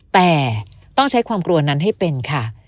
แต่ต้องใช้ความกลัวนั้นให้เป็นค่ะ